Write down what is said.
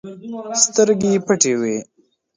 سترګې يې پټې وې.